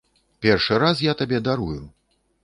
Першы раз я табе дарую.